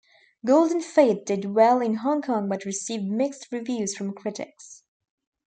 "Golden Faith" did well in Hong Kong but received mixed reviews from critics.